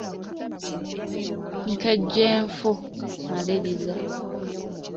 Nkejje nfu, maliriza.